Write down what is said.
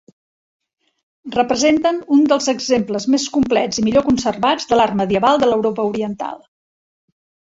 Representen un dels exemples més complets i millor conservats de l'art medieval de l'Europa oriental.